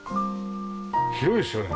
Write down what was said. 広いですよね。